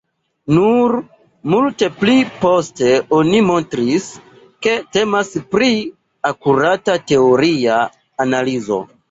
Nur multe pli poste oni montris, ke temas pri akurata teoria analizo.